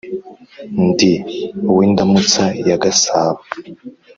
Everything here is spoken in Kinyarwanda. ndi uw’indamutsa ya gasabo